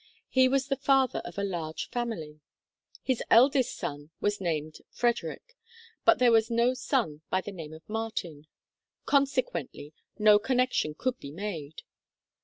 He was the father of a large family. His eldest son was named Frederick, but there was no son by the name of Martin. Conse quently, no connection could be made.